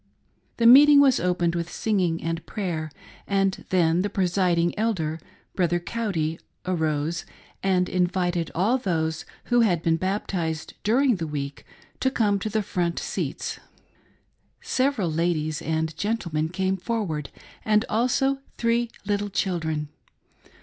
The meeting was opened with singing and prayer, and then the presiding Elder — Brother Cowdy — arose, and invited all those who had been baptized during the week to come to the front seats. Several ladies and gentlemen came forward, and also three little children.